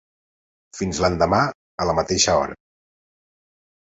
Fins l'endemà a la mateixa hora;